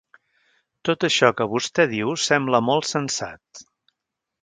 Tot això que vostè diu sembla molt sensat.